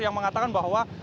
yang mengatakan bahwa